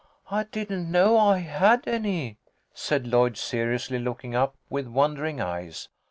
" I didn't know I had any," said Lloyd, seriously, looking up with wondering eyes.